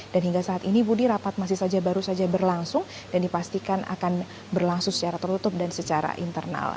dan hingga saat ini budi rapat masih saja baru saja berlangsung dan dipastikan akan berlangsung secara tertutup dan secara internal